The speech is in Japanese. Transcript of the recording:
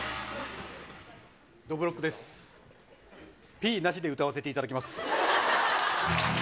ピーなしで歌わせていただきます。